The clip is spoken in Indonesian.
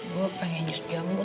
gue pengen jus jambu